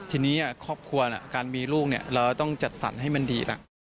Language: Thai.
ทีนี้การมีลูกเราต้องจัดสรรให้มันดีค่ะ